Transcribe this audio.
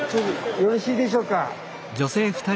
よろしいでしょうか。